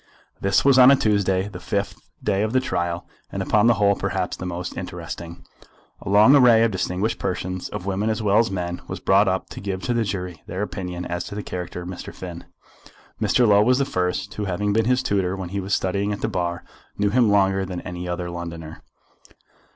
This was on a Tuesday, the fifth day of the trial, and upon the whole perhaps the most interesting. A long array of distinguished persons, of women as well as men, was brought up to give to the jury their opinion as to the character of Mr. Finn. Mr. Low was the first, who having been his tutor when he was studying at the bar, knew him longer than any other Londoner.